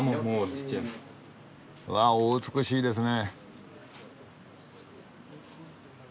わお美しいですね。